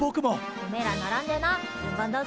おめえら並んでな順番だぞ。